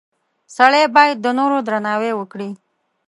• سړی باید د نورو درناوی وکړي.